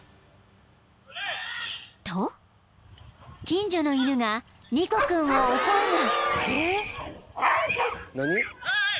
［近所の犬がニコ君を襲うが］